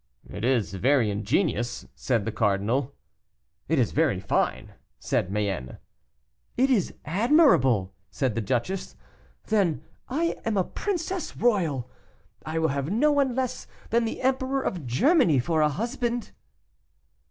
"It is very ingenious," said the cardinal. "It is very fine," said Mayenne. "It is admirable," said the duchess; "then I am a princess royal. I will have no one less than the Emperor of Germany for a husband."